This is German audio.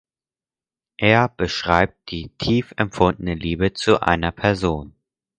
Er beschreibt die tief empfundene Liebe zu einer Person.